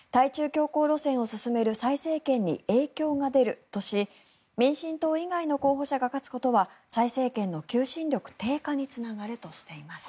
強硬路線を進める蔡政権に影響が出るとし民進党以外の候補者が勝つことは蔡政権の求心力低下につながるとしています。